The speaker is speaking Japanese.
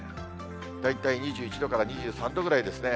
大体２１度から２３度ぐらいですね。